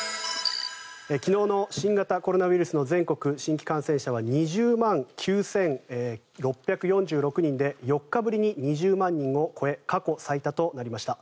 昨日の新型コロナウイルスの全国新規感染者は２０万９６４６人で４日ぶりに２０万人を超え過去最多となりました。